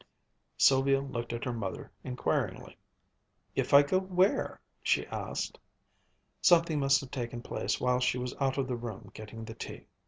Sylvia looked at her mother inquiringly. "If I go where?" she asked. Something must have taken place while she was out of the room getting the tea.